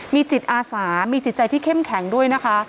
มีจิตอาสามีจิตใจที่เข้มแข็งด้วยนะคะ